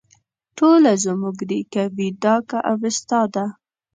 ټوله زموږ دي که ویدا که اوستا ده